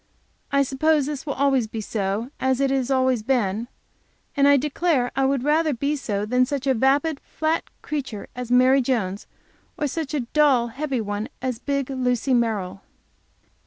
I suppose this will always be so, as it always has been and I declare I would rather be so than such a vapid, flat creature as Mary Jones, or such a dull, heavy one as big Lucy Merrill.